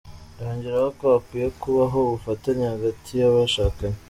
Yongeraho ko hakwiye kubaho ubufatanye hagati y’abashakanye.